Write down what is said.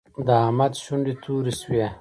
د احمد شونډې تورې شوې.